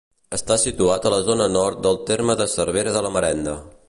Està situat a la zona nord del terme de Cervera de la Marenda.